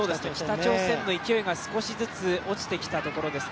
北朝鮮の勢いが少しずつ落ちてきたところです。